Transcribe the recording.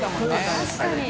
確かに。